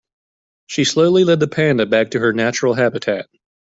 She slowly led the panda back to her natural habitat.